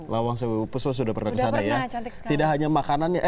lawang sewu pesawat sudah pernah kesana ya